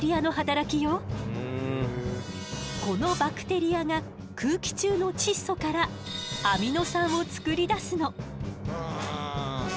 このバクテリアが空気中の窒素からアミノ酸を作り出すの。